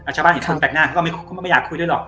ชาวบ้านเห็นคนแปลกหน้าเขาก็ไม่อยากคุยด้วยหรอก